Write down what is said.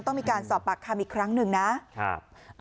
ต้องมีการสอบปากคำอีกครั้งหนึ่งนะครับ